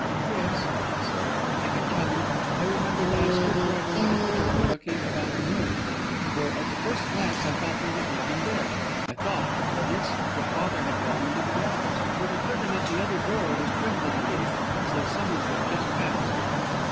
"Yes," she said; "I can tell you. I remember that I stood for a moment at the door, looking about the room, for at the first glance I thought there was no one there. I thought, for an instant, that father had gone into the grounds, for the curtain at the other door was trembling a little, as though someone had just passed."